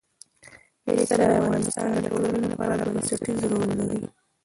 پسه د افغانستان د ټولنې لپاره بنسټيز رول لري.